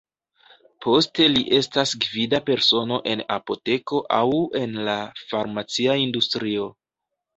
Poste li estas gvida persono en apoteko aŭ en la farmacia industrio.